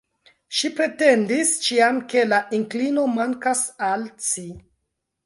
Ŝi pretendis ĉiam, ke la inklino mankas al ci.